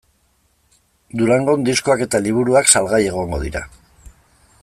Durangon diskoak eta liburuak salgai egongo dira.